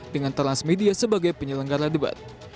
dengan transmedia sebagai penyelenggara debat